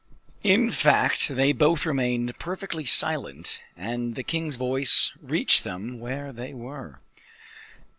In fact they both remained perfectly silent, and the king's voice reached them where they were.